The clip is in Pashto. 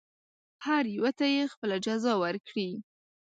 هر یوه ته یې خپله جزا ورکړي.